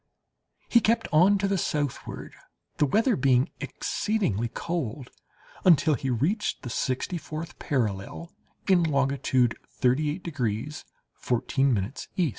He kept on to the southward, the weather being exceedingly cold, until he reached the sixty fourth parallel, in longitude 38 degrees 14' E.